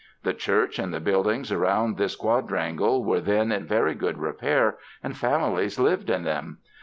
The church and the buildings around this quadrangle were then in very good repair, and families lived in them.